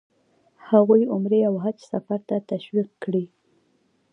هغوی عمرې او حج سفر ته تشویق کړي.